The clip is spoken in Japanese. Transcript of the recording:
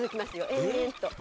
延々と。